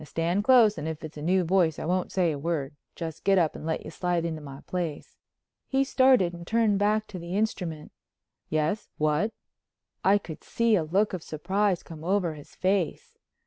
Now stand close and if it's a new voice I won't say a word, just get up and let you slide into my place." He started and turned back to the instrument. "Yes. What?" I could see a look of surprise come over his face.